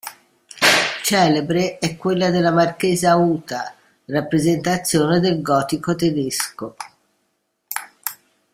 Celebre è quella della marchesa Uta, rappresentazione del gotico tedesco.